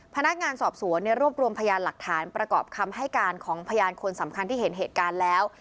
พนักงานสอบสวนรวบรวมพยานหลักฐานประกอบคำให้การของพยานคนสำคัญที่เห็นเหตุการณ์แล้ว